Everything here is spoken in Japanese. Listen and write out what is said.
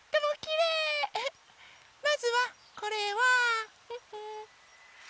まずはこれは。